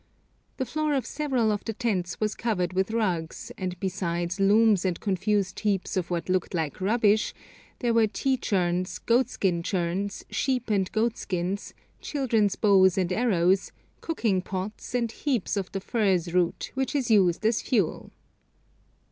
The floor of several of the tents was covered with rugs, and besides looms and confused heaps of what looked like rubbish, there were tea churns, goatskin churns, sheep and goat skins, children's bows and arrows, cooking pots, and heaps of the furze root, which is used as fuel.